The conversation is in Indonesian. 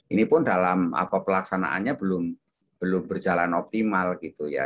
ini pun dalam pelaksanaannya belum berjalan optimal gitu ya